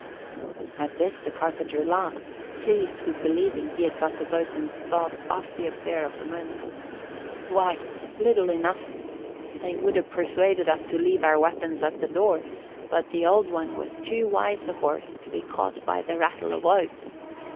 At this the carpenter laughed, pleased with believing he had got the boatswain's thoughts off the affair of the moment. "Why, little enough. They would have persuaded us to leave our weapons at the door, but the Old One was too wise a horse to be caught by the rattle of oats.